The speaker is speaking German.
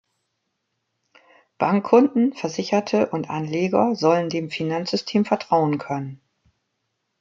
Bankkunden, Versicherte und Anleger sollen dem Finanzsystem vertrauen können.